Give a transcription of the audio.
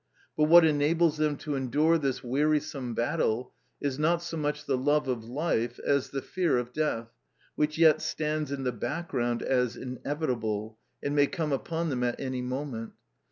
But what enables them to endure this wearisome battle is not so much the love of life as the fear of death, which yet stands in the background as inevitable, and may come upon them at any moment.